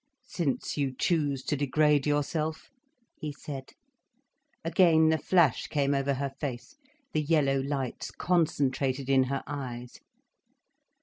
"Since you choose to degrade yourself," he said. Again the flash came over her face, the yellow lights concentrated in her eyes.